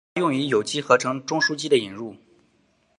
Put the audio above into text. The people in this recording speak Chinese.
它用于有机合成中巯基的引入。